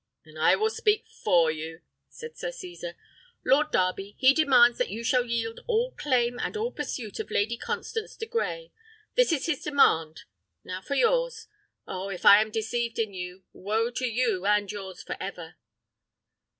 "Then I will speak for you," said Sir Cesar. "Lord Darby he demands that you shall yield all claim and all pursuit of Lady Constance de Grey. This is his demand; now for yours. Oh! if I am deceived in you, woe to you and yours for ever!"